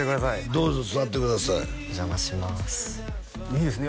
どうぞ座ってくださいお邪魔しますいいですね